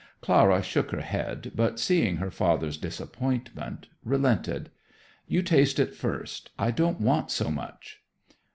Clara shook her head, but, seeing her father's disappointment, relented. "You taste it first. I don't want so much."